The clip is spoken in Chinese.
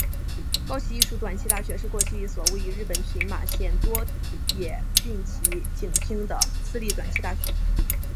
高崎艺术短期大学是过去一所位于日本群马县多野郡吉井町的私立短期大学。